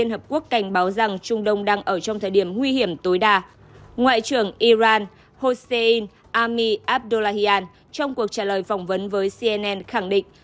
ngoại quốc trưởng iran hossein ami abdullahian trong cuộc trả lời phỏng vấn với cnn khẳng định